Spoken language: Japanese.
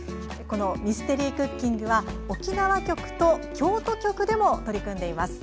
ミステリークッキングは沖縄局と京都局でも取り組んでいます。